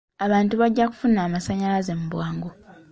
Abantu bajja kufuna amasannyalaze mu bwangu.